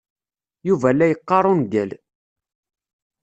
Yuba la yeqqar ungal.